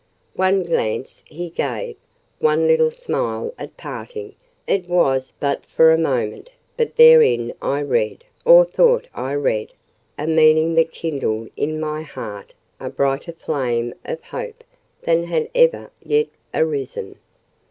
One glance he gave, one little smile at parting—it was but for a moment; but therein I read, or thought I read, a meaning that kindled in my heart a brighter flame of hope than had ever yet arisen.